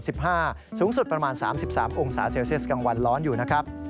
สูงสุดประมาณ๓๓องศาเซลเซียสกลางวันร้อนอยู่นะครับ